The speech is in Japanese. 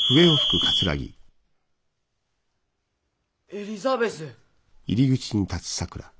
エリザベス。